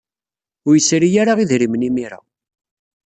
Ur yesri ara idrimen imir-a.